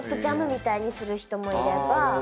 ジャムみたいにする人もいれば。